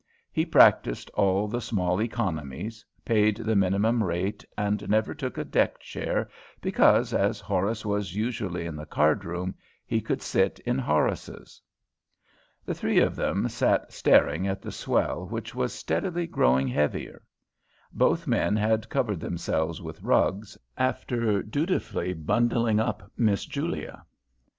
He practised all the small economies; paid the minimum rate, and never took a deck chair, because, as Horace was usually in the cardroom, he could sit in Horace's. The three of them lay staring at the swell which was steadily growing heavier. Both men had covered themselves with rugs, after dutifully bundling up Miss Julia.